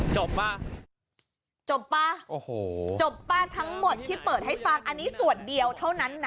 ป่ะจบป่ะโอ้โหจบป่ะทั้งหมดที่เปิดให้ฟังอันนี้ส่วนเดียวเท่านั้นนะ